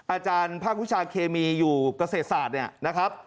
อาจารย์ภาควิชาเคมีอยู่เกษตรศาสตร์